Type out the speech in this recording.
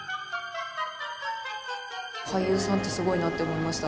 俳優さんってすごいなって思いました。